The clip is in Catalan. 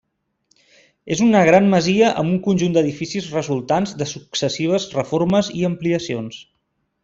És una gran masia amb un conjunt d'edificis resultants de successives reformes i ampliacions.